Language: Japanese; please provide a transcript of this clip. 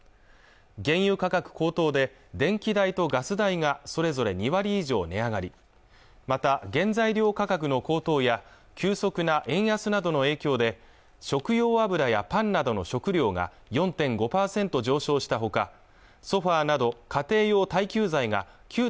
原油価格高騰で電気代とガス代がそれぞれ２割以上値上がりまた原材料価格の高騰や急速な円安などの影響で食用油やパンなどの食料が４．５％上昇したほかソファーなど家庭用耐久財が９．５％